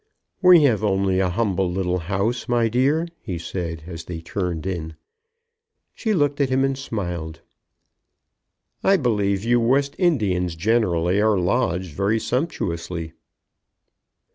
"We have only a humble little house, my dear," he said, as they turned in. She looked at him and smiled. "I believe you West Indians generally are lodged very sumptuously."